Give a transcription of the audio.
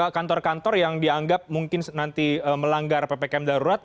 kantor kantor yang dianggap mungkin nanti melanggar ppkm darurat